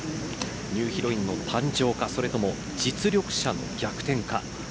ニューヒロインの誕生かそれとも実力者の逆転か。